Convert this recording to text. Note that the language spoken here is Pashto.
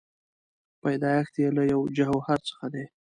پیدایښت یې له یوه جوهر څخه دی.